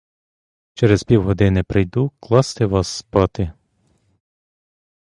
Через півгодини прийду класти вас спати.